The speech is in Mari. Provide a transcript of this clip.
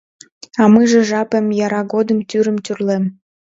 — А мыйже жапем яра годым тӱрым тӱрлем.